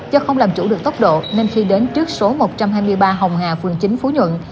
do không làm chủ được tốc độ nên khi đến trước số một trăm hai mươi ba hồng hà phường chín phú nhuận